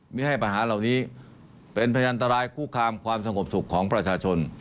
ไม่ให้ปัญหาเหล่านี้เป็นพยันตรายคู่คามความสงบสุขของประชาชน